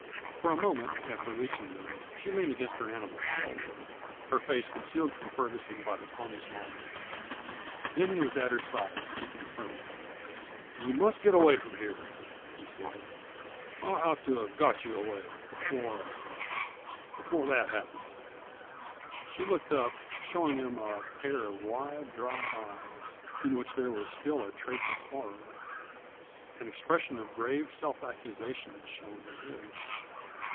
For a moment after reaching them she leaned against her animal's shoulder, her face concealed from Ferguson by the pony's mane. Then he was at her side, speaking firmly. "You must get away from here," he said, "I ought to have got you away before before that happened." She looked up, showing him a pair of wide, dry eyes, in which there was still a trace of horror. An expression of grave self accusation shone in his.